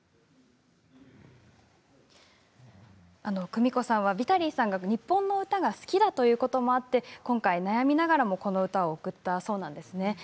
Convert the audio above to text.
クミコさんはヴィタリーさんが日本の歌が好きだということもあって今回、悩みながらもこの歌を贈ったそうなんです。